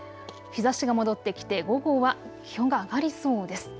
日ざしが戻ってきて午後は気温が上がりそうです。